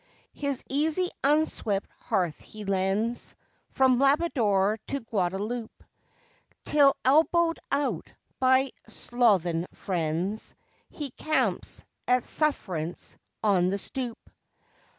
His easy unswept hearth he lends From Labrador to Guadeloupe; Till, elbowed out by sloven friends, He camps, at sufferance, on the stoop.